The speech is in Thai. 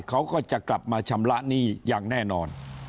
เขาก็จะกลับมาชำระหนี้อย่างแน่นอน